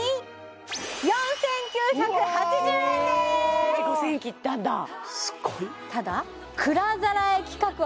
え５０００円切ったんだすごい！